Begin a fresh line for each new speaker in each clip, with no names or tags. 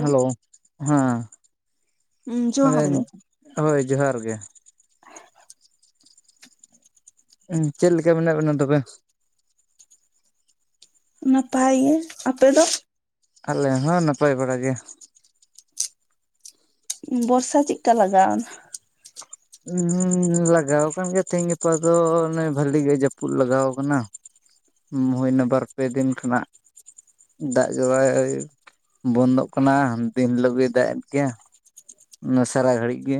Hello ᱦᱮᱸ
ᱦᱩᱸ ᱡᱚᱦᱟᱨ
ᱢᱮᱱᱟᱹᱧ
ᱜᱮ
ᱦᱳᱭ ᱡᱚᱦᱟᱨ ᱜᱮ᱾
[unintelligible]
ᱪᱮᱫ ᱞᱮᱠᱟ ᱢᱮᱱᱟᱜ ᱵᱮᱱᱟ ᱛᱚᱵᱮ?
ᱱᱟᱯᱷᱟᱭ ᱜᱮ᱾ ᱟᱯᱮ ᱫᱚ?
ᱟᱞᱮ ᱦᱚᱸ ᱱᱟᱯᱟᱭ ᱵᱟᱲᱟ ᱜᱮ᱾
ᱵᱚᱨᱥᱟ ᱪᱮᱠᱟ ᱞᱟᱜᱟᱣᱱᱟ?
ᱩᱸᱻ ᱞᱟᱜᱟᱣ ᱟᱠᱟᱱ ᱜᱮᱭᱟ ᱛᱮᱦᱤᱧ ᱜᱟᱯᱟ ᱫᱚ ᱚᱱᱮ ᱵᱷᱟᱹᱞᱤ ᱜᱮ ᱡᱟᱹᱯᱩᱫ ᱞᱟᱜᱟᱣ ᱠᱟᱱᱟ᱾ ᱢᱩᱭᱱᱟ ᱵᱟᱨ ᱯᱮ ᱫᱤᱱ ᱠᱷᱚᱱᱟᱜ᱾ ᱫᱟᱜ ᱡᱚᱨᱟᱭ ᱵᱚᱱᱫᱚᱜ ᱠᱟᱱᱟ, ᱫᱤᱱ ᱦᱤᱞᱳᱜ ᱜᱮᱭ ᱫᱟᱜ ᱮᱫ ᱜᱮᱭᱟ᱾ ᱚᱱᱟ ᱱᱟᱥᱟᱨᱟ ᱜᱷᱟᱹᱲᱟᱡ ᱜᱮ᱾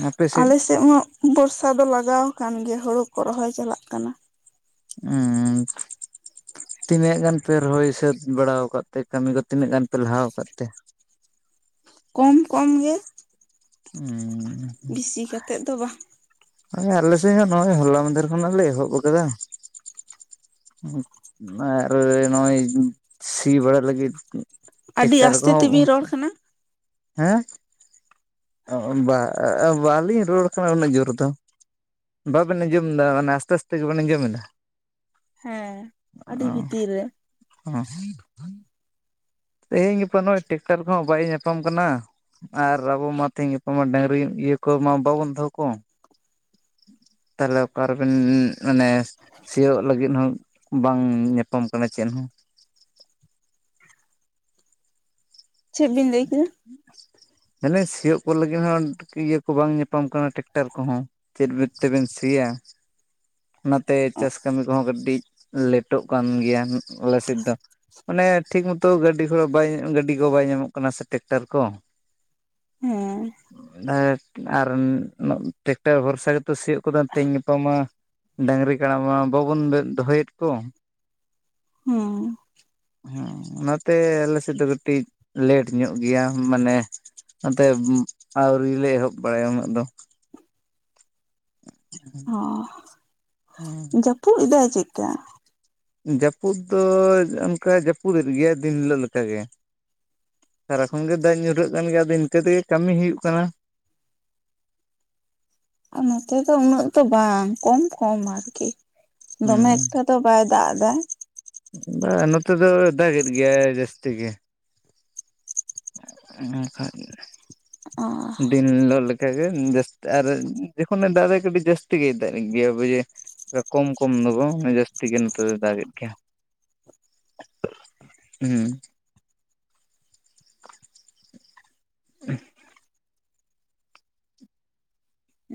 ᱵᱷᱟᱠᱚ [inaudible]
ᱟᱞᱮᱥᱮᱫ ᱢᱟ ᱵᱚᱨᱥᱟ ᱫᱚ ᱞᱟᱜᱟᱣ ᱟᱠᱟᱱ ᱜᱮᱭᱟ ᱦᱳᱲᱳ ᱠᱚ ᱨᱚᱦᱚᱭ ᱪᱟᱞᱟᱜ ᱠᱟᱱᱟ᱾
ᱩᱸ ᱻ ᱛᱤᱱᱟᱹᱜ ᱜᱟᱱ ᱯᱮ ᱨᱚᱦᱚᱭ ᱥᱟᱹᱛ ᱵᱟᱲᱟ ᱟᱠᱟᱫ ᱛᱮ ᱠᱟᱹᱢᱤ ᱠᱚ ᱛᱤᱱᱟᱹᱜ ᱜᱟᱱ ᱯᱮ ᱞᱟᱦᱟᱣ ᱟᱠᱟᱫ ᱛᱮ?
ᱠᱚᱢ ᱠᱚᱢ ᱜᱮ᱾
ᱩᱸᱻ
ᱵᱤᱥᱤ ᱠᱟᱛᱮᱫ ᱫᱚ ᱵᱟᱝ᱾
ᱦᱳᱭ ᱟᱞᱮ ᱥᱮ ᱦᱚᱸ ᱱᱚᱜᱼᱚᱭ ᱦᱚᱞᱟ ᱢᱟᱫᱷᱮᱨ ᱠᱷᱚᱱᱟᱜ ᱞᱮ ᱮᱦᱚᱵ ᱟᱠᱟᱫᱟ᱾ ᱟᱨ ᱱᱚᱜᱼᱚᱭ ᱥᱤ ᱵᱟᱲᱟ ᱞᱟᱹᱜᱤᱫ
ᱟᱹᱰᱤ
ᱴᱮᱠᱴᱟᱨ ᱠᱚ
ᱟᱥᱛᱮ
ᱦᱚᱸ
ᱛᱮᱵᱤᱱ ᱨᱚᱲ ᱠᱟᱱᱟ
ᱦᱮᱸ ᱰᱟᱸᱻ ᱵᱟᱞᱤᱧ ᱨᱩᱣᱟᱹᱲ ᱠᱟᱱᱟ ᱩᱱᱟᱹᱜ ᱡᱳᱨ ᱫᱚ᱾ ᱵᱟᱵᱮᱱ ᱟᱸᱡᱚᱢᱮᱫᱟ ᱢᱟᱱᱮ ᱟᱥᱛᱮ ᱟᱥᱛᱮ ᱜᱮᱵᱮᱱ ᱟᱸᱡᱚᱢᱮᱫᱟ?
ᱦᱮᱸ ᱟᱹᱰᱤ ᱵᱷᱤᱛᱤᱨ ᱨᱮ᱾
ᱦᱟᱥ ᱛᱮᱦᱮᱧ ᱜᱟᱯᱟ ᱫᱚ ᱱᱚᱜᱼᱚᱭ ᱴᱮᱠᱴᱟᱨ ᱠᱚᱦᱚᱸ ᱵᱟᱭ ᱧᱟᱯᱟᱢ ᱠᱟᱱᱟ᱾ ᱟᱨ ᱟᱵᱚ ᱢᱟ ᱛᱮᱦᱤᱧ ᱜᱟᱯᱟ ᱢᱟ ᱰᱟᱹᱝᱨᱤ ᱤᱭᱟᱹ ᱠᱚᱢᱟ ᱵᱟᱵᱚᱱ ᱫᱚᱦᱚ ᱠᱚ᱾ ᱛᱟᱞᱦᱮ ᱚᱠᱟᱨᱮᱵᱮᱱ ᱢᱟᱱᱮ ᱥᱤᱭᱳᱜ ᱞᱟᱹᱜᱤᱫ ᱦᱚ, ᱸ ᱵᱟᱝ ᱧᱟᱯᱟᱢ ᱠᱟᱱᱟ ᱪᱮᱫ ᱦᱚᱸ᱾
ᱪᱮᱫ ᱵᱤᱱ ᱞᱮᱭ ᱠᱮᱫᱟ᱾
[unintelligible] ᱥᱤᱭᱳᱜ ᱠᱚ ᱞᱟᱹᱜᱤᱫ ᱦᱚᱸ ᱤᱭᱟᱹ ᱠᱚ ᱵᱟᱝ ᱧᱟᱯᱟᱢ ᱠᱟᱱᱟ ᱴᱮᱠᱴᱟᱨ ᱠᱚᱦᱚᱸ ᱪᱮᱫ ᱵᱮᱱ ᱛᱮᱵᱮᱱ ᱥᱤᱭᱟ᱾ ᱱᱟᱛᱮ ᱪᱟᱥ ᱠᱟᱹᱢᱤ ᱠᱚᱦᱚᱸ ᱠᱟᱹᱴᱤᱡ ᱞᱮᱴᱚᱜ ᱠᱟᱱ ᱜᱮᱭᱟ ᱟᱞᱮ ᱥᱮᱫ ᱫᱚ᱾ ᱢᱟᱱᱮ ᱴᱷᱤᱠ ᱢᱚᱛᱚ ᱜᱟᱹᱰᱤ ᱜᱷᱚᱲᱟ ᱵᱟᱭ ᱜᱟᱹᱰᱤ ᱠᱚ ᱵᱟᱭ ᱧᱟᱢᱚᱜ ᱠᱟᱱᱟ ᱥᱮ ᱴᱮᱠᱴᱟᱨ ᱠᱚ।
ᱦᱮᱸ
[unintelligible] ᱟᱨ ᱟᱨ ᱴᱮᱠᱴᱟᱨ ᱵᱷᱚᱨᱥᱟ ᱜᱮᱛᱚ ᱥᱤᱭᱳᱜ ᱠᱟᱫᱚ ᱛᱮᱦᱮᱧ ᱜᱟᱯᱟ ᱢᱟᱼ ᱰᱟᱹᱝᱨᱤ ᱠᱟᱲᱟ ᱢᱟ ᱵᱟᱵᱚᱱ ᱫᱚᱦᱚᱭᱮᱫ ᱠᱚ᱾
ᱦᱮᱸ
ᱦᱮᱸ ᱚᱱᱟᱛᱮ ᱟᱞᱮᱥᱮᱫ ᱫᱚ ᱠᱟᱹᱴᱤᱡᱼ ᱞᱮᱴ ᱧᱚᱜ ᱜᱮᱭᱟ ᱢᱟᱱᱮ, ᱱᱚᱛᱮ ᱟᱹᱣᱨᱤ ᱞᱮ ᱮᱦᱚᱵ ᱵᱟᱲᱟᱭᱟ ᱩᱱᱟᱹᱜ ᱫᱚ᱾
ᱚ ᱡᱟᱹᱯᱩᱫ ᱫᱟᱭ ᱪᱮᱫᱠᱟ?
ᱡᱟᱹᱯᱩᱫ ᱫᱚ ᱚᱱᱠᱟ ᱡᱟᱹᱯᱩᱫᱮᱫ ᱜᱮᱭᱟ ᱫᱤᱱ ᱦᱤᱞᱳᱜ ᱞᱮᱠᱟ ᱜᱮ᱾ ᱥᱟᱨᱟᱠᱷᱚᱱ ᱜᱮ ᱫᱟᱜ ᱧᱩᱨᱦᱟᱹᱜ ᱠᱟᱱ ᱜᱮᱭᱟ ᱟᱫᱚ ᱤᱱᱠᱟᱹ ᱛᱮᱜᱮ ᱠᱟᱹᱢᱤ ᱦᱩᱭᱩᱜ ᱠᱟᱱᱟ᱾
ᱟᱨ ᱱᱚᱛᱮ ᱫᱚ ᱩᱱᱟᱹᱜ ᱫᱚ ᱵᱟᱝ ᱠᱚᱢ ᱠᱚᱢ ᱟᱨᱠᱤ ᱫᱚᱢᱮ
ᱦᱩᱸ
ᱮᱠᱴᱟᱼ ᱛᱚ ᱵᱟᱭ ᱫᱟᱜ ᱮᱫᱟ᱾
ᱵᱟᱝ ᱱᱚᱛᱮ ᱫᱚ ᱫᱟᱜᱮᱫ ᱜᱮᱭᱟᱭ ᱡᱟᱹᱥᱛᱤ ᱜᱮ᱾ [inaudible] ᱫᱤᱱ ᱦᱤᱞᱳᱜ ᱞᱮ ᱠᱟ ᱜᱮ ᱡᱟᱹᱥ ᱟᱨ ᱡᱚᱠᱷᱚᱱᱮ ᱫᱟᱜᱟᱭ ᱠᱟᱹᱴᱤᱡ ᱡᱟᱹᱥᱛᱤ ᱜᱮᱭᱟᱭ ᱫᱟᱜ ᱜᱮᱭᱟ ᱵᱩᱡᱷᱟᱹᱣ᱾ ᱠᱚᱢ ᱠᱚᱢ ᱫᱚ ᱵᱟᱝ ᱡᱟᱹᱥᱛᱤ ᱜᱮ ᱱᱚᱛᱮᱭ ᱫᱟᱜᱮᱜ ᱜᱮᱭᱟ᱾ ᱦᱩᱸ᱾ [inaudible]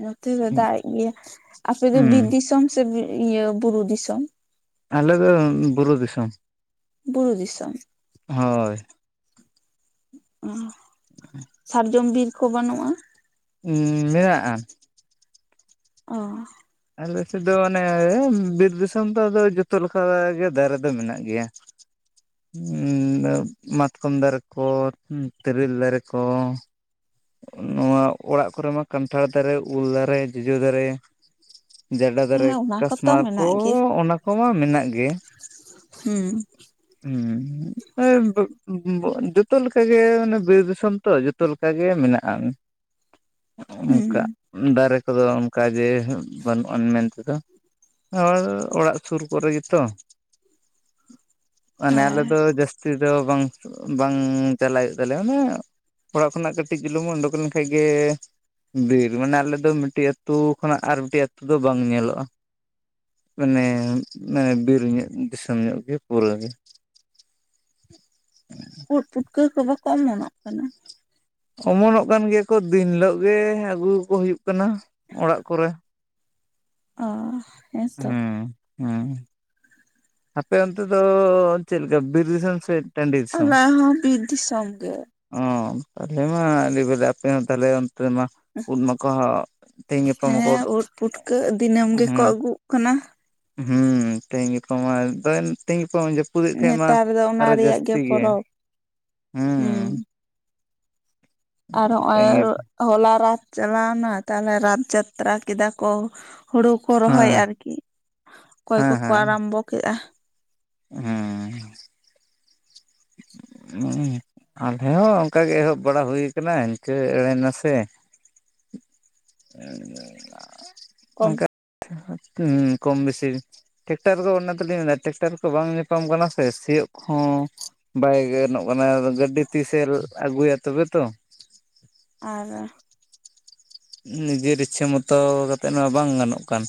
ᱱᱚᱛᱮ ᱫᱚ ᱫᱟᱜᱮᱜ ᱜᱮᱭᱟ᱾ ᱟᱯᱮ ᱫᱚ
ᱦᱩᱸ
ᱵᱤᱨ ᱫᱤᱥᱚᱢ ᱥᱮ ᱵᱤᱨ ᱤᱭᱟᱹ ᱵᱩᱨᱩ ᱫᱤᱥᱚᱢ?
ᱟᱞᱮ ᱫᱚ ᱵᱩᱨᱩ ᱫᱤᱥᱚᱢ᱾
ᱵᱩᱨᱩ ᱫᱤᱥᱚᱢ ᱾
ᱦᱳᱭ᱾
ᱚ ᱥᱟᱨᱡᱚᱢ ᱵᱤᱨ ᱠᱚ ᱵᱟᱹᱱᱩᱜ-ᱟ?
ᱩᱸᱻ ᱢᱮᱱᱟᱜ-ᱟ᱾
ᱚ
ᱟᱞᱮ ᱥᱮᱫ ᱫᱚ ᱚᱱᱮ ᱵᱤᱨ ᱫᱤᱥᱚᱢ ᱛᱚ ᱟᱫᱚ ᱡᱚᱛᱚ ᱞᱮᱠᱟ ᱜᱮ ᱫᱟᱨᱮ ᱫᱚ ᱢᱮᱱᱟᱜ ᱜᱮᱭᱟ᱾ [inaudible] ᱢᱟᱛᱠᱚᱢ ᱫᱟᱨᱮ ᱠᱚ ᱛᱮᱨᱮᱞ ᱫᱟᱨᱮ ᱠᱚ᱾ ᱱᱚᱣᱟ ᱚᱲᱟᱜ ᱠᱚᱨᱮ ᱢᱟ ᱠᱟᱱᱴᱷᱟᱲ ᱫᱟᱨᱮ, ᱩᱞ ᱫᱟᱨᱮ, ᱡᱚᱡᱚ ᱫᱟᱨᱮ᱾ ᱡᱟᱰᱟ
ᱦᱮᱸ
ᱫᱟᱨᱮ,
ᱚᱱᱟ ᱠᱚᱛᱚ
ᱠᱟᱥᱢᱟᱨ ᱠᱚ
ᱢᱮᱱᱟᱜ ᱜᱮ
ᱚᱱᱟ ᱠᱚᱢᱟ ᱢᱮᱱᱟᱜ ᱜᱮ᱾
ᱦᱩᱸ᱾
ᱦᱩᱸ ᱳᱭ ᱡᱚᱛᱚ ᱞᱮᱠᱟ ᱜᱮ ᱚᱱᱮ ᱵᱤᱨ ᱫᱤᱥᱚᱢ ᱛᱚ ᱡᱚᱛᱚ ᱞᱮᱠᱟ ᱜᱮ ᱢᱮᱱᱟᱜ-ᱟᱱ
ᱦᱩᱸ
ᱚᱱᱠᱟ ᱫᱟᱨᱮ᱾ ᱠᱚᱫᱚ ᱚᱱᱠᱟ ᱜᱮ ᱵᱟᱹᱱᱩᱜ-ᱟᱱ ᱢᱮᱱ ᱛᱮᱫᱚ᱾ ᱟᱨ ᱚᱲᱟᱜ ᱥᱩᱨ ᱠᱚᱨᱮ ᱜᱮᱛᱚ᱾ ᱢᱟᱱᱮ ᱟᱞᱮ
ᱦᱮᱸ
ᱫᱚ ᱡᱟᱹᱥ ᱛᱤ ᱫᱚ ᱵᱟᱝ ᱵᱟᱝ ᱪᱟᱞᱟᱣ ᱦᱳᱭᱳᱜ ᱛᱟᱞᱮᱭᱟ, ᱢᱟᱱᱮ ᱚᱲᱟᱜ ᱠᱷᱚᱱᱟᱜ ᱠᱟᱹ ᱴᱤᱡ ᱪᱩᱞᱩᱝ ᱳᱰᱳᱠ ᱞᱮᱠᱷᱟᱡ ᱜᱮ᱾ ᱵᱤᱨ ᱢᱟᱱᱮ ᱟᱞᱮ ᱫᱚ ᱢᱤᱫᱴᱤᱡ ᱟᱹᱛᱩ ᱠᱷᱚᱱᱟᱜ ᱟᱨ ᱢᱤᱫᱴᱤᱡ ᱟᱹᱛᱩ ᱫᱚ ᱵᱟᱝ ᱧᱮᱞᱚᱜ-ᱟ᱾ ᱢᱟᱱᱮ ᱢᱟᱱᱮ ᱵᱤᱨ ᱧᱚᱜ ᱫᱤᱥᱚᱢ ᱧᱚᱜ ᱜᱮ ᱯᱩᱨᱟᱹ ᱜᱮ᱾ [inaudible]
ᱩᱫ ᱯᱩᱴᱠᱟᱹ ᱠᱚ ᱵᱟᱠᱚ ᱚᱢᱚᱱᱚᱜ ᱠᱟᱱᱟ?
ᱚᱢᱚᱱᱚᱜ ᱠᱟᱱ ᱜᱮᱭᱟ ᱠᱚ ᱫᱤᱱ ᱦᱤᱞᱳᱜ ᱜᱮ ᱟᱹᱜᱩ ᱠᱚ ᱦᱩᱭᱩᱜ ᱠᱟᱱᱟ ᱚᱲᱟᱜ ᱠᱚᱨᱮ᱾
ᱚ ᱦᱮᱸ ᱛᱚ᱾
ᱦᱩᱸ ᱟᱯᱮ ᱚᱱᱛᱮ ᱫᱚ ᱪᱮᱫ ᱞᱮᱠᱟ ᱵᱤᱨ ᱫᱤᱥᱚᱢ ᱥᱮᱫ
ᱟᱞᱮ ᱦᱚᱸ ᱵᱤᱨ ᱫᱤᱥᱚᱢ ᱜᱮ᱾
ᱚ ᱛᱟᱞᱦᱮ ᱢᱟ ᱟᱹᱰᱤ ᱵᱷᱟᱞᱮ ᱟᱯᱮ ᱦᱚᱸ ᱛᱟᱦᱞᱮ ᱚᱱᱛᱮ ᱢᱟ ᱩᱫ ᱢᱟᱠᱚ ᱛᱮᱦᱮᱧ ᱜᱟᱯᱟ ᱢᱟᱠᱚ
ᱦᱮᱸ ᱳᱫ ᱯᱩᱴᱠᱟᱹ ᱫᱤᱱᱟᱹᱢ ᱜᱮᱠᱚ ᱟᱹᱜᱩᱜ ᱠᱟᱱᱟ᱾
ᱦᱩᱸ ᱛᱤᱦᱤᱧ ᱜᱟᱯᱟ ᱢᱟ ᱫᱚ ᱛᱤᱦᱤᱧ ᱜᱟᱯ ᱡᱟᱹᱯᱩᱫ ᱮᱜ ᱛᱟᱦᱮᱸᱫ ᱢᱟ
ᱱᱮᱛᱟᱨ ᱫᱚ ᱚᱱᱟ
ᱟᱨᱚ
ᱨᱮᱭᱟᱜ
ᱡᱟᱹᱥᱛᱤ ᱜᱮ
ᱯᱚᱨᱚᱵᱽ
ᱦᱩᱸ᱾
ᱟᱨ ᱦᱚᱸᱜ-ᱚᱭ
ᱛᱮᱦᱮᱧ ᱦᱮᱸ
ᱦᱚᱞᱟ ᱨᱟᱛ ᱪᱟᱞᱟᱣᱱᱟ ᱛᱟᱞᱦᱮ ᱨᱟᱛ ᱡᱟᱛᱨᱟ ᱠᱮᱫᱟ ᱠᱚ ᱦᱩᱲᱩ ᱠᱚ ᱨᱚᱦᱚᱭ ᱟᱨᱠᱤ ᱚᱠᱚᱭ
ᱦᱮᱸ
ᱠᱚᱠᱚ ᱟᱨᱟᱢᱵᱚ ᱠᱮᱜ-ᱟ᱾
ᱦᱩᱸ᱾ ᱦᱩᱸ ᱟᱞᱮ ᱦᱚᱸ ᱚᱱᱠᱟ ᱜᱮ ᱮᱦᱚᱵ ᱵᱟᱲᱟ ᱦᱩᱭ ᱠᱟᱱᱟ ᱤᱱᱠᱟᱹ ᱮᱲᱮ ᱱᱟᱥᱮ᱾
ᱠᱚᱢ
ᱚᱱᱠᱟ ᱠᱚᱢ ᱵᱮᱥᱤ᱾ ᱴᱮᱠᱴᱟᱨ ᱠᱚ ᱚᱱᱟ ᱛᱮᱞᱤᱧ ᱢᱮᱱᱫᱟ ᱴᱮᱠᱴᱟᱨ ᱠᱚ ᱵᱟᱝ ᱧᱟᱯᱟᱢ ᱠᱟᱱᱟ ᱥᱮ ᱥᱤᱭᱳᱜ ᱠᱚ ᱦᱚᱸ᱾ ᱵᱟᱭ ᱜᱟᱱᱚᱜ ᱠᱟᱱᱟ ᱟᱫᱚ ᱜᱟᱹᱰᱤ ᱛᱤᱥᱮ ᱟᱹᱜᱩᱭᱟ ᱛᱚᱵᱮ ᱛᱚ᱾
ᱟᱨ
ᱱᱤᱡᱮᱨ ᱤᱪᱪᱷᱟᱹ ᱢᱚᱛᱚ ᱠᱟᱛᱮᱜ ᱢᱟ ᱵᱟᱝ ᱜᱟᱱᱚᱜ ᱠᱟᱱ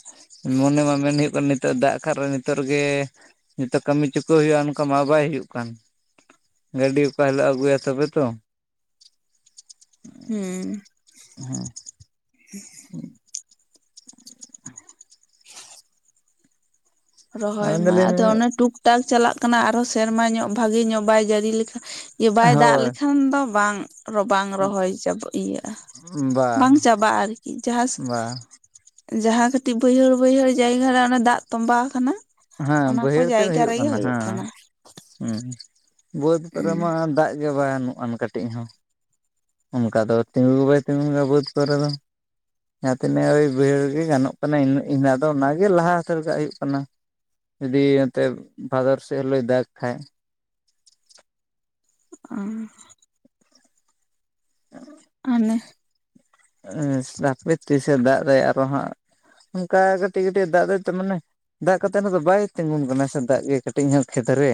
ᱢᱚᱱᱮ ᱢᱟ ᱢᱮᱱ ᱦᱩᱭᱩᱜ ᱠᱟᱱ ᱤᱛᱚ ᱱᱤᱛᱚᱜ ᱫᱟᱜ ᱠᱷᱟᱨ ᱱᱤᱛᱚᱜ ᱨᱮᱜᱮ ᱱᱤᱛᱚᱜ ᱠᱟᱹᱢᱤ ᱪᱩᱠᱟᱹᱣ ᱦᱩᱭᱩᱜᱼᱟ᱾ ᱚᱱᱠᱟ ᱢᱟ ᱵᱟᱭ ᱦᱩᱭᱩᱜ ᱠᱟᱱ᱾ ᱜᱟᱹᱰᱤ ᱚᱠᱟ ᱦᱤᱞᱳᱜ ᱮ ᱟᱹᱜᱩᱭᱟ ᱛᱚᱵᱮ ᱛᱚ᱾
ᱦᱩᱸ᱾
[unintelligible]
ᱨᱚᱦᱚᱭ ᱢᱟ
ᱢᱮᱱᱫᱟᱞᱤᱧ
ᱟᱫᱚ ᱚᱱᱮ ᱴᱩᱠ ᱴᱟᱠ ᱪᱟᱞᱟᱜ ᱠᱟᱱᱟ ᱟᱨᱦᱚᱸ ᱥᱮᱨᱢᱟ ᱧᱚᱸᱜ ᱵᱷᱟᱜᱤ ᱧᱚᱸᱜ ᱵᱟᱭ ᱡᱟᱹᱲᱤ ᱞᱮᱠᱷᱟᱡ ᱤᱭᱟᱹ ᱵᱟᱭ ᱫᱟᱜ
ᱦᱳᱭ
ᱞᱮᱠᱷᱟᱱ ᱫᱚ ᱵᱟᱝ ᱨᱚ ᱵᱟᱝ ᱨᱚᱦᱚᱭ ᱪᱟᱵ ᱤᱭᱟᱹᱜᱼᱟ,
ᱵᱟ
ᱵᱟᱝ ᱪᱟᱵᱟᱜᱼᱟ ᱟᱨᱠᱤ ᱡᱟᱦᱟᱸ
ᱵᱟ
ᱡᱟᱦᱟᱸ ᱠᱟᱹᱴᱤᱡ ᱵᱟᱹᱭᱦᱟᱹᱲ ᱵᱟᱹᱭᱦᱟᱹᱲ ᱡᱟᱭᱜᱟ ᱨᱮ ᱚᱱᱮ ᱫᱟᱜ ᱛᱚᱢᱵᱟᱣ ᱠᱟᱱᱟ᱾
ᱦᱮᱸ ᱵᱟᱹᱭᱦᱟᱹᱲ ᱛᱮᱫ ᱦᱩᱭᱩᱜ ᱠᱟᱱᱟ, ᱦᱮᱸ ᱦᱩᱸ ᱵᱟᱹᱫᱽ ᱨᱮᱢᱟ ᱫᱟᱜ ᱜᱮ ᱵᱟᱱᱩᱜᱼᱟᱱ ᱠᱟᱹᱴᱤᱡ ᱦᱚᱸ᱾ ᱚᱱᱠᱟ ᱫᱚ ᱛᱤᱸᱜᱩ ᱜᱮ ᱵᱟᱭ ᱛᱤᱸᱜᱩᱭᱟ ᱵᱟᱹᱫᱽ ᱠᱚᱨᱮ ᱫᱚ᱾ ᱡᱟᱦᱟᱸ ᱛᱤᱱᱟᱹᱜ ᱳᱭ ᱵᱟᱹᱭᱦᱟᱹᱲ ᱜᱮ ᱜᱟᱱᱚᱜ ᱠᱟᱱᱟ, ᱤᱱ ᱤᱱᱟ ᱫᱚ ᱚᱱᱟᱜᱮ ᱞᱟᱦᱟᱛᱟᱹᱨ ᱦᱩᱭᱩᱜ ᱠᱟᱱᱟ᱾ ᱡᱩᱫᱤ ᱮᱚᱱᱚᱛᱮᱫ ᱵᱷᱟᱫᱚᱨ ᱥᱮᱫ ᱦᱚᱞᱮᱭ ᱫᱟᱜᱽ ᱠᱷᱟᱡ᱾
ᱚᱸ᱾ ᱟᱱᱮ
ᱮᱸᱥ ᱦᱟᱯᱮ ᱛᱤᱥᱮ ᱫᱟᱜ ᱫᱟᱭ ᱟᱨᱚ ᱦᱟᱸᱜ ᱚᱱᱠᱟ ᱠᱟᱹᱴᱤᱡ ᱠᱟᱹᱴᱤᱡ ᱫᱟᱜ ᱫᱟᱭ ᱛᱚ ᱢᱟᱱᱮ ᱫᱟᱜ ᱠᱟᱛᱮᱱ ᱦᱚᱸᱛᱚ ᱵᱟᱭ ᱛᱤᱸᱜᱩᱱ ᱠᱟᱱᱟ ᱥᱮ ᱫᱟᱜ ᱜᱮ ᱠᱟᱹᱴᱤᱡ ᱧᱚᱸᱜ ᱠᱷᱮᱛ ᱨᱮ᱾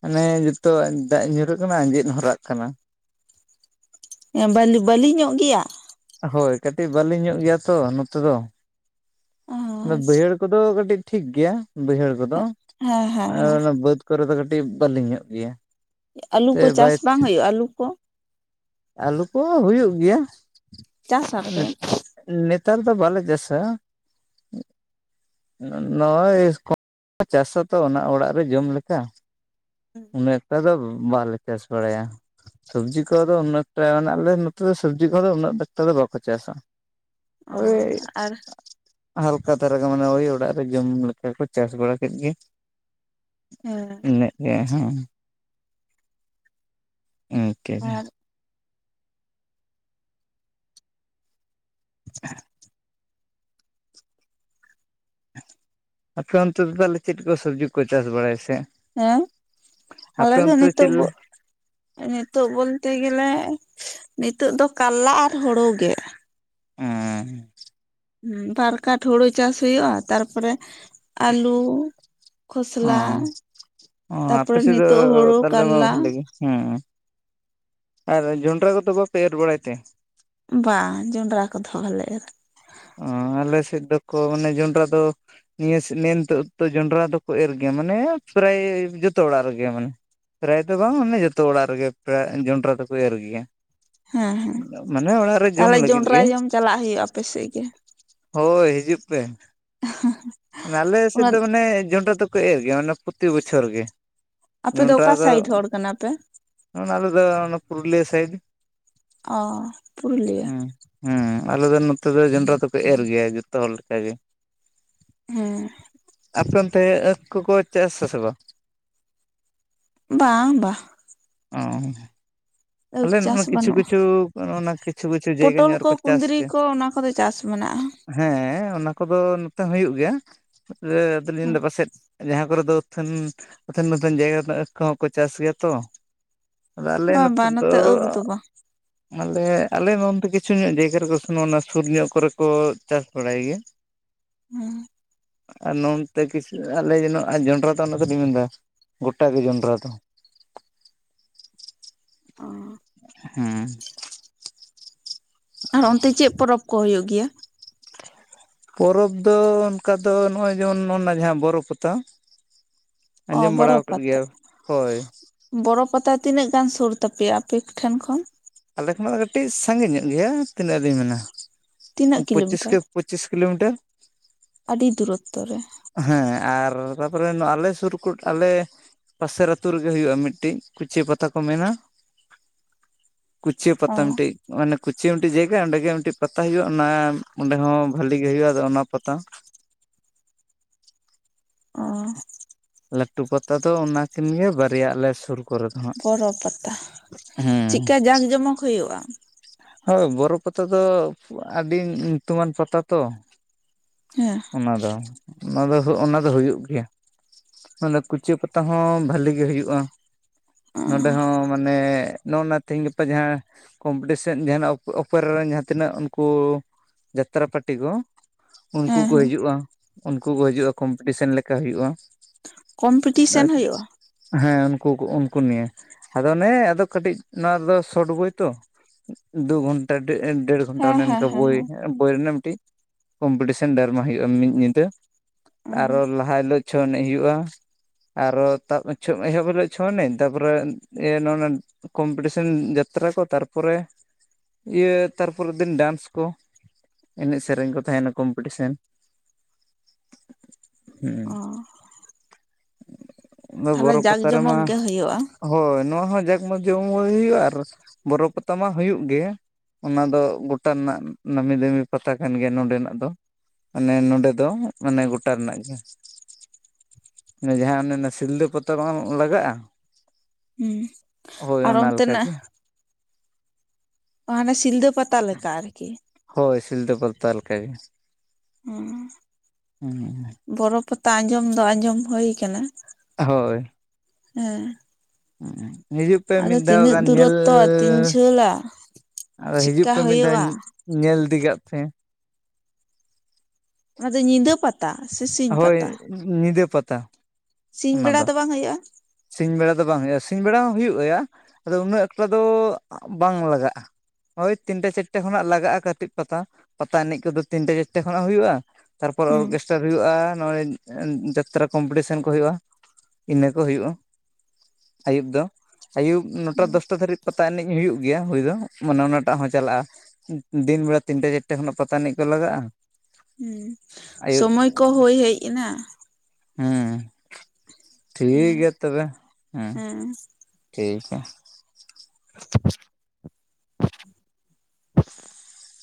ᱢᱟᱱᱮ ᱱᱤᱛᱚᱜ ᱫᱟᱜ ᱧᱩᱨᱩᱜ ᱠᱟᱱᱟ ᱟᱸᱡᱮᱫ ᱦᱚᱨᱟᱜ ᱠᱟᱱᱟ᱾
ᱮᱸ ᱵᱟᱹᱞᱤ ᱵᱟᱹᱞᱤ ᱧᱚᱸᱜ ᱜᱮᱭᱟ?
ᱦᱳᱭ ᱠᱟᱹᱴᱤᱡ ᱵᱟᱹᱞᱤ ᱧᱚᱸᱜ ᱜᱮᱭᱟ ᱛᱚ ᱱᱚᱛᱮ ᱫᱚ,
ᱟᱪᱪᱷᱟ
ᱵᱟᱹᱭᱦᱟᱹᱲ ᱠᱚᱫᱚ ᱠᱟᱹᱴᱤᱡ ᱴᱷᱤᱠ ᱜᱮᱭᱟ ᱵᱟᱹᱭᱦᱟᱹᱲ ᱠᱚᱫᱚ
ᱦᱮᱸ ᱦᱮᱸ
ᱟᱨ
ᱦᱮᱸ
ᱚᱱᱟ ᱵᱟᱹᱫᱽ ᱠᱚᱨᱮ ᱫᱚ ᱠᱟᱹᱴᱤᱡ ᱵᱟᱹᱞᱤ ᱧᱚᱸᱜ ᱜᱮᱭᱟ᱾
ᱟᱹᱞᱩ
ᱛᱮ
ᱠᱚ ᱪᱟᱥ
ᱵᱟᱭ
ᱵᱟᱝ ᱦᱩᱭᱩᱜᱼᱟ ᱟᱹᱞᱩ ᱠᱚ?
ᱟᱹᱞᱩ ᱠᱚᱦᱚ ᱦᱩᱭᱩᱜ ᱜᱮᱭᱟ᱾
ᱪᱟᱥ ᱟᱯᱮ?
ᱱᱮᱛᱟᱨ ᱫᱚ ᱵᱟᱞᱮ ᱪᱟᱥᱟ ᱩᱸᱜ ᱱᱚᱜᱼᱚᱭ [unintelligible] ᱪᱟᱥᱟᱛᱚ ᱚᱱᱟ ᱚᱲᱟᱜ ᱨᱮ ᱡᱚᱢ ᱞᱮᱠᱟ᱾ ᱩᱱᱟᱹᱜ ᱮᱠᱴᱟ ᱫᱚ ᱵᱟᱞᱮ ᱪᱟᱥ ᱵᱟᱲᱟᱭᱟ᱾ ᱥᱚᱵᱽᱡᱤ ᱠᱚᱫᱚ ᱩᱱ ᱮᱠᱴᱟᱱ ᱟᱞᱮ ᱱᱚᱛᱮ ᱫᱚ ᱥᱚᱵᱽᱡᱤ ᱠᱚᱫᱚ ᱩᱱᱟᱹᱜ ᱮᱠᱴᱟ ᱫᱚ ᱰᱟᱠᱚ ᱪᱟᱥᱟ᱾
ᱚ
ᱳᱭ
ᱟᱨ
ᱦᱟᱞᱠᱟ ᱫᱷᱟᱨᱟ ᱜᱮ ᱢᱟᱱᱮ ᱳᱭ ᱚᱲᱟᱜ ᱨᱮ ᱡᱚᱢ ᱞᱮᱠᱟ ᱠᱚ ᱪᱟᱥ ᱵᱟᱲᱟ ᱠᱮᱫ ᱜᱮ᱾
ᱦᱮᱸ᱾
ᱢᱮᱱᱟᱜ ᱜᱮᱭᱟ ᱦᱩᱸ, ᱤᱱᱠᱟᱹ ᱜᱮ᱾
ᱟᱨ
[unintelligible] ᱟᱯᱮ ᱚᱱᱛᱮ ᱫᱚ ᱛᱟᱦᱚᱞᱮ ᱪᱮᱫ ᱠᱚ ᱥᱚᱵᱽᱡᱤ ᱠᱚ ᱪᱟᱥ ᱵᱟᱲᱟᱭᱟ ᱥᱮ?
ᱦᱮᱸ, ᱟᱞᱮ
ᱟᱯᱮ
ᱫᱚ
ᱚᱱᱛᱮ
ᱱᱤᱛᱚᱜ
ᱪᱮᱫ
ᱵᱚ ᱱᱤᱛᱚᱜ ᱵᱳᱞᱛᱮ ᱜᱮᱞᱮ ᱱᱤᱛᱚᱜ ᱫᱚ ᱠᱟᱞᱞᱟ ᱟᱨ ᱦᱩᱲᱩ ᱜᱮ᱾
ᱚᱸ᱾
ᱦᱩᱸ ᱵᱟᱨ ᱠᱟᱴ ᱦᱩᱲᱩ ᱪᱟᱥ ᱦᱩᱭᱩᱜᱼᱟ᱾ ᱛᱟᱨᱯᱚᱨᱮ ᱟᱹᱞᱩᱼᱼᱼ
ᱚ
ᱠᱷᱚᱥᱞᱟ,
ᱚ
ᱛᱟᱯᱚᱨᱮ ᱱᱤᱛᱚᱜ ᱦᱳᱲᱳ, ᱠᱟᱞᱞᱟ᱾
ᱦᱩᱸ ᱟᱨ ᱡᱚᱱᱰᱨᱟ ᱠᱚᱫᱚ ᱵᱟᱯᱮ ᱮᱨ ᱵᱟᱲᱟᱭ ᱛᱮ᱾
ᱵᱟ ᱡᱚᱸᱰᱨᱟ ᱠᱚᱫᱚ ᱵᱟᱞᱮ ᱮᱨ ᱼᱟ ᱾
ᱚᱻ ᱟᱞᱮ ᱥᱮᱫ ᱫᱚᱠᱚ ᱢᱟᱱᱮ ᱡᱚᱱᱰᱨᱟ ᱫᱚᱼᱼ ᱱᱤᱭᱟᱹ ᱱᱮᱱᱛᱳᱜ ᱫᱚ ᱡᱚᱸᱰᱨᱟ ᱫᱚᱠᱚ ᱮᱨ ᱜᱮᱭᱟ ᱢᱟᱱᱮ ᱯᱨᱟᱭ ᱡᱚᱛᱚ ᱚᱲᱟᱜ ᱨᱮᱜᱮ ᱢᱟᱱᱮ᱾ ᱯᱨᱟᱭ ᱫᱚ ᱵᱟᱝ ᱚᱱᱮ ᱡᱚᱛᱚ ᱚᱲᱟᱜ ᱨᱮᱜᱮ ᱯᱮ ᱡᱚᱸᱰᱨᱟ ᱫᱚᱠᱚ ᱮᱨ ᱜᱮᱭᱟ᱾
ᱦᱮᱸ ᱦᱮᱸ
ᱢᱟᱱᱮ ᱚᱲᱟᱜ ᱨᱮ ᱡᱚᱢ
ᱛᱟᱦᱚᱞᱮ
ᱞᱟᱹᱜᱤᱫ
ᱡᱚᱸᱰᱨᱟ
ᱜᱮ
ᱡᱚᱢ ᱪᱟᱞᱟᱜ ᱦᱩᱭᱩᱜᱼᱟ ᱟᱯᱮᱥᱮᱫ ᱜᱮ ᱾
ᱦᱳᱭ ᱦᱤᱡᱩᱜ ᱯᱮ, ᱟᱞᱮ ᱥᱮᱫ
ᱚᱱᱟ
ᱫᱚ ᱢᱟᱱᱮ ᱡᱚᱸᱱᱰᱟ ᱫᱚ ᱠᱚ ᱮᱨ ᱜᱮᱭᱟ ᱢᱟᱱᱮ ᱯᱨᱚᱛᱤ ᱵᱚᱪᱷᱚᱨ ᱜᱮ᱾
ᱟᱯᱮ
ᱡᱚᱸᱰᱨᱟ
ᱚᱠᱟ
ᱫᱚ
ᱥᱟᱭᱤᱰ ᱦᱚᱲ ᱠᱟᱱᱟ ᱯᱮ
ᱚᱱᱟ ᱟᱞᱮᱫᱚ ᱚᱱᱟ ᱯᱩᱨᱩᱞᱤᱭᱟᱹ ᱥᱟᱭᱤᱰ
ᱚ ᱯᱩᱨᱩᱞᱤᱭᱟᱹ,
ᱦᱮᱸ ᱟᱞᱮ ᱫᱚ ᱱᱚᱛᱮ ᱫᱚ ᱡᱚᱱᱰᱨᱟ ᱫᱚᱠᱚ ᱮᱨ ᱜᱮᱭᱟ ᱡᱚᱛᱚ ᱦᱚᱲ ᱞᱮᱠᱟ ᱜᱮ᱾
ᱦᱮᱸ,
ᱟᱯᱮ ᱚᱱᱛᱮᱸ ᱟᱠᱷ ᱠᱚᱠᱚ ᱪᱟᱥ ᱟᱥᱮ ᱵᱟᱝ?
ᱵᱟᱝ ᱵᱟᱝ᱾
ᱚ ᱟᱞᱮ
ᱪᱟᱥ
ᱱᱚᱜ-ᱚᱭ ᱠᱤᱪᱷᱩ
ᱵᱟᱹᱱᱩᱜᱼᱟ
ᱠᱤᱪᱷᱩ ᱚᱱᱟ ᱠᱤᱪᱷᱩ ᱠᱤᱪᱷᱩ ᱡᱟᱭᱜᱟ
ᱯᱚᱴᱚᱞ
ᱧᱚᱜ
ᱠᱚ
ᱨᱮᱠᱚ ᱪᱟᱥ
ᱠᱩᱸᱫᱽᱨᱤ
ᱜᱮᱭᱟ᱾
ᱠᱚ ᱚᱱᱟ ᱠᱚᱫᱚ ᱪᱟᱥ ᱢᱮᱱᱟᱜᱼᱟ
ᱦᱮᱸ ᱚᱱᱟ ᱠᱚᱫᱚ ᱱᱚᱛᱮ ᱦᱩᱭᱩᱜ ᱜᱮᱭᱟ, ᱟᱫᱚ ᱞᱤᱧ ᱫᱟ ᱯᱟᱥᱮᱫ ᱡᱟᱦᱟᱸ ᱠᱚᱨᱮ ᱫᱚ ᱚᱛᱷᱟᱹᱱ, ᱚᱛᱷᱟᱹᱱ ᱚᱛᱷᱟᱹᱱ ᱡᱟᱭᱜᱟ ᱨᱮᱱᱟᱜ ᱟᱹᱠ ᱠᱚᱦᱚᱸᱠᱚ ᱪᱟᱥ ᱜᱮᱭᱟ, ᱛᱚ ᱟᱫᱚ ᱟᱞᱮ ᱱᱚ
ᱵᱟᱝ
ᱛᱮ
ᱵᱟᱝ
ᱫᱚ
ᱱᱚᱛᱮ ᱟᱹᱠ ᱫᱚ ᱵᱟᱝ
ᱟᱞᱮ ᱟᱞᱮ ᱱᱚᱱᱛᱮ ᱠᱤᱪᱷᱩ ᱧᱚᱜ ᱡᱟᱭᱜᱟ ᱨᱮᱠᱚ ᱥᱚᱜ-ᱱᱟ ᱥᱩᱨ ᱧᱚᱜ ᱠᱚᱨᱮ ᱠᱚ ᱪᱟᱥ ᱵᱟᱲᱟᱭ ᱜᱮᱭᱟ᱾
ᱦᱮᱸ
ᱟᱨ ᱱᱚ ᱛᱮ ᱠᱤᱥ ᱟᱞᱮ ᱡᱮᱱᱚ ᱡᱚᱸᱰᱨᱟ ᱫᱚ ᱚᱱᱟ ᱫᱚᱞᱤᱧ ᱢᱮᱱᱫᱟ ᱜᱚᱴᱟᱜᱮ ᱡᱚᱸᱰᱨᱟ ᱫᱚ
ᱚ
ᱦᱩᱸ,
ᱟᱨ ᱚᱱᱛᱮ ᱪᱮᱫ ᱯᱚᱨᱚᱵᱽ ᱠᱚ ᱦᱳᱭᱳᱜ ᱜᱮᱭᱟ?
ᱯᱚᱨᱚᱵᱽ ᱫᱚ ᱚᱱᱠᱟ ᱫᱚ ᱱᱚᱜᱼᱚᱭ ᱡᱮᱢᱚᱱ ᱱᱚᱜ ᱱᱟ ᱡᱟᱦᱟᱸ ᱵᱚᱨᱚ ᱯᱟᱛᱟ᱾
ᱚ
ᱟᱸᱡᱚᱢ ᱵᱟᱲᱟ
ᱵᱚᱨᱚ
ᱟᱠᱟᱫ ᱜᱮᱭᱟ
ᱯᱟᱛᱟ
ᱦᱳᱭ,
ᱵᱚᱨᱚ ᱯᱟᱛᱟ ᱛᱤᱱᱟᱹᱜ ᱜᱟᱱ ᱥᱳᱨ ᱛᱟᱯᱮᱭᱟ ᱟᱯᱮᱴᱷᱮᱱ ᱠᱷᱚᱱ᱾
ᱟᱞᱮ ᱠᱷᱚᱱᱟᱜ ᱫᱚ ᱠᱟᱹᱴᱤᱡ ᱥᱟᱺᱜᱤᱧ ᱧᱚᱜ ᱜᱮᱭᱟ ᱛᱤᱱᱟᱹᱜ ᱞᱤᱧ ᱢᱮᱱᱟ
ᱛᱤᱱᱟᱹᱜ
ᱯᱚᱸᱪᱤᱥ ᱠᱮ
ᱠᱤᱞᱳᱢᱤᱴᱟᱨ?
ᱯᱚᱸᱪᱤᱥ ᱠᱤᱞᱳᱢᱤᱴᱟᱨ
ᱟᱹᱰᱤ ᱫᱩᱨᱚᱛᱚ ᱨᱮ᱾
ᱦᱮᱸ ᱟᱨ ᱛᱟᱯᱚᱨᱮ ᱱᱚᱣᱟ ᱟᱞᱮ ᱥᱩᱨ ᱠᱚ ᱟᱞᱮ ᱯᱟᱥᱮᱨ ᱟᱹᱛᱩ ᱨᱮᱜᱮ ᱦᱩᱭᱩᱜᱼᱟ ᱢᱤᱫᱴᱤᱱ ᱠᱩᱪᱟᱭᱟᱹ ᱯᱟᱛᱟ ᱠᱚ ᱢᱮᱱᱟ᱾ ᱠᱩᱪᱤᱭᱟᱹ
ᱚ
ᱯᱟᱛᱟ ᱢᱤᱴᱤᱡ᱾ ᱚᱱᱮ ᱠᱩᱪᱤᱭᱟᱹ ᱢᱤᱫᱴᱮᱡ ᱡᱟᱭᱜᱟ ᱚᱸᱰᱮ ᱜᱮ ᱢᱤᱫᱴᱤᱡ ᱯᱟᱛᱟ ᱦᱳᱭᱳᱜᱼᱟ ᱚᱱᱟ ᱚᱸᱰᱮ ᱦᱚᱸ ᱵᱷᱟᱞᱤ ᱜᱮ ᱦᱳᱭᱳᱜᱼᱟ ᱟᱫᱚ ᱚᱱᱟ ᱯᱟᱛᱟ
ᱚ,
ᱞᱟᱹᱴᱩ ᱯᱟᱛᱟ ᱫᱚ ᱚᱱᱟᱠᱤᱱ ᱜᱮ ᱵᱟᱨᱭᱟ ᱟᱞᱮ ᱥᱩᱨ ᱠᱚᱨᱮ ᱫᱚ ᱦᱟᱸᱜ
ᱵᱚᱨᱚ ᱯᱟᱛᱟ
ᱦᱮᱸ
ᱪᱮᱫᱠᱟ ᱡᱟᱠ ᱡᱚᱢᱚᱠ ᱦᱳᱭᱳᱜᱼᱟ?
ᱦᱳᱭ ᱵᱚᱨᱚ ᱯᱟᱛᱟ ᱫᱚ ᱟᱹᱰᱤ ᱧᱩᱛᱩᱢᱟᱱ ᱯᱟᱛᱟ ᱛᱚ᱾
ᱦᱮᱸ
ᱚᱱᱟ ᱫᱚ ᱚᱱᱟ ᱫᱚ ᱚᱱᱟ ᱫᱚ ᱦᱳᱭᱳᱜ ᱜᱮᱭᱟ᱾ ᱢᱟᱱᱮ ᱠᱩᱪᱤᱭᱟᱹ ᱯᱟᱛᱟ ᱦᱚᱸ ᱵᱷᱟᱞᱤ ᱜᱮ ᱦᱩᱭᱩᱜᱼᱟ᱾
ᱚ
ᱱᱚᱰᱮ ᱦᱚᱸ ᱢᱟᱱᱮ ᱱᱚᱜ-ᱱᱟ ᱛᱮᱦᱤᱧ ᱜᱟᱯᱟ ᱡᱟᱦᱟᱸ ᱠᱚᱢᱯᱤᱴᱤᱥᱮᱱ ᱥᱮᱫ ᱡᱟᱦᱟᱸᱱᱟᱜ ᱚᱯᱮᱨᱟ ᱨᱮᱱ ᱡᱟᱦᱟᱸ ᱛᱤᱱᱟᱹᱜ ᱩᱱᱠᱩ ᱡᱟᱛᱨᱟ ᱯᱟᱴᱤ ᱠᱚ, ᱩᱱᱠᱩ
ᱦᱮᱸ
ᱠᱚ
ᱦᱮᱸ
ᱦᱤᱡᱩᱜᱼᱟ ᱩᱱᱠᱩ ᱠᱚ ᱦᱤᱡᱩᱜᱼᱟ ᱠᱚᱢᱯᱤᱴᱤᱥᱮᱱ ᱞᱮᱠᱟ ᱦᱩᱭᱩᱜᱼᱟ᱾
ᱠᱚᱢᱯᱤᱴᱤᱥᱮᱱ
ᱟᱨ
ᱦᱩᱭᱩᱜᱼᱟ
ᱦᱮᱸ ᱩᱱᱠᱩ ᱩᱱᱠᱩ ᱱᱤᱭᱮ ᱟᱫᱚ ᱚᱱᱮ ᱟᱫᱚ ᱠᱟᱹᱴᱤᱡ ᱱᱚᱣᱟ ᱨᱮᱫᱚ ᱥᱚᱴ ᱵᱳᱭ ᱛᱚ, ᱫᱩ ᱜᱷᱚᱱᱴᱟ ᱰᱮᱲ ᱜᱷᱚᱱᱴᱟ
ᱦᱮᱸ
ᱚᱱᱮ
ᱦᱮᱸ
ᱚᱱᱠᱟ
ᱦᱮᱸ
ᱵᱳᱭ
ᱦᱮᱸ
ᱵᱳᱭ ᱨᱮᱱᱟᱜ ᱢᱤᱫᱴᱤᱡ ᱠᱚᱢᱯᱤᱴᱤᱥᱮᱱ ᱰᱮᱨᱢᱟ ᱦᱩᱭᱩᱜᱼᱟ ᱢᱤᱫ ᱧᱤᱫᱟᱹ ᱟᱨᱚ ᱞᱟᱦᱟ ᱦᱤᱞᱳᱜ ᱪᱷᱳ ᱮᱱᱮᱡ ᱦᱩᱭᱩᱜᱼᱟ᱾ ᱟᱨᱚ ᱛᱟ ᱪᱷᱳ ᱮᱦᱚᱵ ᱨᱮ ᱪᱷᱳ ᱮᱱᱮᱡ ᱛᱟᱯᱚᱨᱮ ᱛᱟᱨᱯᱚᱨᱮ ᱤᱭᱟᱹ ᱱᱚᱜ-ᱱᱟ ᱠᱚᱢᱯᱤᱴᱤᱥᱮᱱ ᱡᱟᱛᱨᱟ ᱠᱚ ᱛᱟᱨᱯᱚᱨᱮ ᱤᱭᱟᱹ ᱛᱟᱨᱯᱚᱨᱮᱨ ᱫᱤᱱ ᱰᱮᱱᱥ ᱠᱚ ᱾ ᱮᱱᱮᱡ ᱥᱮᱨᱮᱧ ᱠᱚ ᱛᱟᱦᱮᱸᱱᱟ ᱠᱚᱢᱯᱤᱴᱤᱥᱮᱱ ᱾ ᱦᱮᱸ
ᱚ
᱾ ᱟᱫᱚ
ᱛᱟᱦᱚᱞᱮ
ᱵᱚᱨᱚ
ᱡᱟᱸᱠ
ᱯᱟᱛᱟ ᱨᱮᱢᱟ
ᱡᱚᱢᱚᱠ ᱜᱮ ᱦᱩᱭᱩᱜᱼᱟ
ᱦᱳᱭ ᱱᱚᱣᱟ ᱦᱚᱸ ᱡᱟᱠ ᱢᱟ ᱡᱚᱢᱚᱠ ᱦᱩᱭᱩᱜᱼᱟ ᱟᱨ ᱵᱚᱨᱚ ᱯᱟᱛᱟ ᱢᱟ ᱦᱩᱭᱩᱜ ᱜᱮ ᱚᱱᱟ ᱫᱚ ᱜᱚᱴᱟ ᱨᱮᱱᱟᱜ ᱱᱟᱢᱤ ᱫᱟᱹᱢᱤ ᱯᱟᱛᱟ ᱠᱟᱱ ᱜᱮᱭᱟ ᱱᱚᱰᱮᱱᱟᱜ ᱫᱚ ᱾ ᱢᱟᱱᱮ ᱱᱚᱸᱰᱮ ᱫᱚ ᱢᱟᱱᱮ ᱜᱚᱴᱟ ᱨᱮᱱᱟᱜ ᱜᱮ ᱾ ᱡᱟᱦᱟᱸ ᱚᱱᱮ ᱚᱱᱟ ᱥᱤᱞᱫᱟᱹ ᱯᱟᱛᱟ ᱵᱟᱝ ᱞᱟᱜᱟᱜᱼᱟ
ᱦᱩᱸ
ᱦᱳᱭ
ᱟᱨ
ᱚᱱᱟ ᱞᱮᱠᱟ
ᱚᱱᱛᱮᱱᱟᱜ
ᱜᱮ ᱾
ᱢᱟᱱᱮ ᱥᱤᱞᱫᱟᱹ ᱯᱟᱛᱟ ᱞᱮᱠᱟ ᱟᱨᱠᱤ ᱾
ᱦᱳᱭ ᱥᱤᱞᱫᱟᱹ ᱯᱟᱛᱟ ᱞᱮᱠᱟ ᱜᱮ ᱦᱮᱸ ᱾
ᱵᱚᱨᱚ ᱯᱟᱛᱟ ᱟᱸᱡᱚᱢ ᱫᱚ ᱟᱸᱡᱚᱢ ᱦᱩᱭ ᱠᱟᱱᱟ ᱾
ᱦᱳᱭ ᱾
ᱦᱮᱸ ᱾
ᱦᱤᱡᱩᱜ ᱯᱮ ᱢᱤᱫ ᱫᱷᱟᱣ ᱜᱟᱱ ᱧᱮᱞ ᱾
ᱫᱩᱨᱚᱛᱛᱚ [inaudible]
ᱟᱫᱚ ᱦᱤᱡᱩᱜ
ᱪᱮᱫᱠᱟ
ᱯᱮ ᱢᱤᱫ ᱫᱷᱟᱣ
ᱦᱩᱭᱩᱜᱼᱟ
ᱧᱮᱞ ᱤᱫᱤ ᱠᱟᱜ ᱯᱮ ᱾
ᱚᱱᱟ ᱫᱚ ᱧᱤᱫᱟᱹ ᱯᱟ ᱛᱟ ᱥᱮ ᱥᱤ
ᱦᱳᱭ ᱧᱤᱫᱟᱹ ᱯᱟᱛᱟ ᱾
ᱥᱤᱧ ᱵᱮᱲᱟ ᱫᱚ ᱵᱟᱝ ᱦᱩᱭᱩᱜᱼᱟ?
ᱥᱤᱧ ᱵᱮᱲᱟ ᱫᱚ ᱵᱟᱝ ᱦᱩᱭᱩᱜᱼᱟ ᱾ ᱥᱤᱧ ᱵᱮᱲᱟ ᱦᱚᱸ ᱦᱩᱭᱩᱜ-ᱟ ᱟᱫᱚ ᱩᱱᱟᱹᱜ ᱮᱠᱴᱟ ᱫᱚ ᱵᱟᱝ ᱞᱟᱜᱟᱜᱼᱟ ᱾ ᱳᱭ ᱛᱤᱱᱴᱟ ᱪᱟᱨᱴᱟ ᱠᱷᱚᱱᱟᱜ ᱞᱟᱜᱟᱜᱼᱟ ᱠᱟᱹᱴᱤᱡ ᱯᱟᱛᱟ, ᱯᱟᱛᱟ ᱮᱱᱮᱡ ᱠᱚᱫᱚ ᱛᱤᱱᱴᱟ ᱪᱟᱨᱴᱟ ᱠᱷᱚᱱᱟᱜ ᱦᱩᱭᱩᱜᱼᱟ ᱛᱟᱨᱯᱚᱨ
ᱦᱩᱸ
ᱚᱨᱜᱮᱥ ᱴᱟᱨ ᱦᱩᱭᱩᱜᱼᱟ, ᱱᱚᱜᱼᱲᱮ ᱡᱟᱛᱨᱟ ᱠᱚᱢᱯᱤᱴᱤᱥᱮᱱ ᱠᱚ ᱦᱩᱭᱩᱜᱼᱟ ᱤᱱᱟᱹ ᱠᱚ ᱦᱩᱭᱩᱜᱼᱟ ᱾ ᱟᱹᱭᱩᱵ ᱫᱚ ᱟᱹᱭᱩᱵ ᱱᱚᱴᱟ
ᱦᱩᱸ
ᱫᱚᱥᱴᱟ ᱫᱷᱟᱹᱨᱤᱡ ᱯᱟᱛᱟ ᱮᱱᱮᱡ ᱦᱩᱭᱩᱜ ᱜᱮᱭᱟ ᱦᱩᱭ ᱫᱚ ᱢᱟᱱᱮ ᱚᱱᱟᱴᱟᱜ ᱦᱚᱸ ᱪᱟᱞᱟᱜᱼᱟ ᱾ ᱫᱤᱱ ᱵᱮᱲᱟ ᱛᱤᱱᱴᱟ ᱪᱟᱨᱴᱟ ᱠᱷᱚᱱᱟᱜ ᱯᱟᱛᱟ ᱮᱱᱮᱡ ᱠᱚ ᱞᱟᱜᱟᱜᱼᱟ ᱾
ᱦᱩᱸ ᱥᱚᱢᱚᱭ ᱠᱚ ᱦᱩᱭ ᱦᱮᱡ ᱮᱱᱟ ᱾
ᱦᱮᱸ ᱴᱷᱤᱠ
ᱦᱮᱸ
ᱜᱮᱭᱟ ᱛᱚᱵᱮ ᱦᱮᱸ ᱴᱷᱤᱠ ᱜᱮᱭᱟ ᱾ [unintelligible] [unintelligible]